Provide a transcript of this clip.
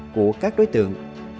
của các đối tượng